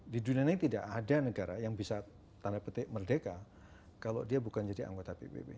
di dunia ini tidak ada negara yang bisa tanda petik merdeka kalau dia bukan jadi anggota pbb